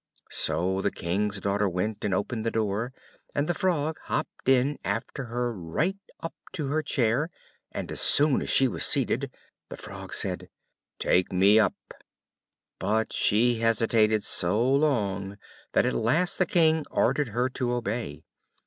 So the King's daughter went and opened the door, and the Frog hopped in after her right up to her chair: and as soon as she was seated, the Frog said, "Take me up;" but she hesitated so long that at last the King ordered her to obey.